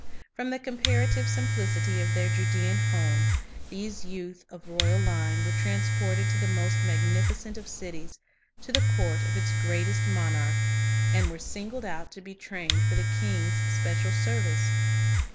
From the comparative simplicity of their Judean home these youth of royal line were transported to the most magnificent of cities, to the court of its greatest monarch, and were singled out to be trained for the king's special service.